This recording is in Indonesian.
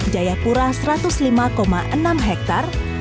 jayapura satu ratus lima enam hektare